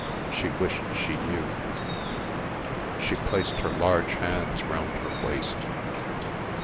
She wished she knew. She placed her large hands round her waist.